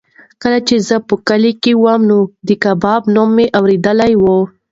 کله چې زه په کلي کې وم نو د کباب نوم مې اورېدلی و.